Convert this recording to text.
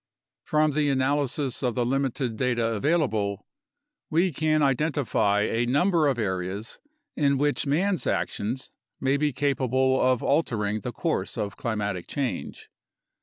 From the analysis of the limited data available, we can identify a number of areas in which man's actions may be capable of altering the course of climatic change.